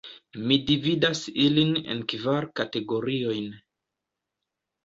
Mi dividas ilin en kvar kategoriojn.